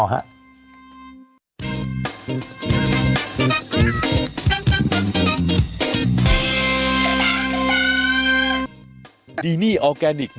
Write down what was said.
ไปค่ะ